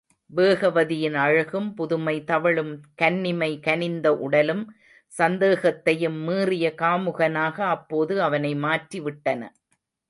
வேகவதியின் அழகும் புதுமை தவழும் கன்னிமை கனிந்த உடலும் சந்தேகத்தையும் மீறிய காமுகனாக அப்போது அவனை மாற்றிவிட்டன.